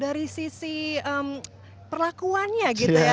dari sisi perlakuannya gitu ya